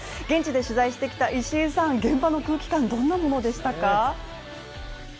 現地で取材してきた石井さん、現場の空気感どんなものでしたか？